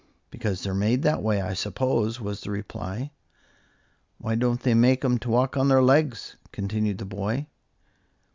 "Because they're made that way, I suppose," was the reply. "Why don't they make 'em to walk on their legs?" continued the boy.